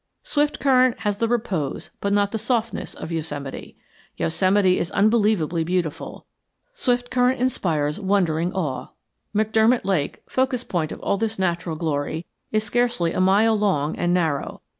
Swiftcurrent has the repose but not the softness of Yosemite. Yosemite is unbelievably beautiful. Swiftcurrent inspires wondering awe. McDermott Lake, focus point of all this natural glory, is scarcely a mile long, and narrow.